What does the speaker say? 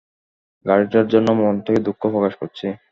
গাড়িটার জন্য মন থেকে দুঃখ প্রকাশ করছি!